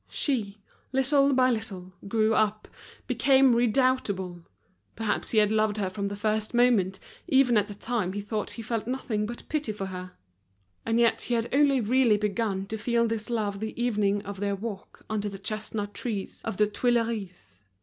She, little by little grew up, became redoubtable. Perhaps he had loved her from the first moment, even at the time he thought he felt nothing but pity for her. And yet he had only really begun to feel this love the evening of their walk under the chestnut trees of the Tuileries.